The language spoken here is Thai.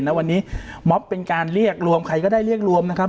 ณวันนี้ม็อบเป็นการเรียกรวมใครก็ได้เรียกรวมนะครับ